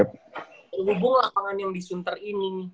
terhubung lapangan yang disunter ini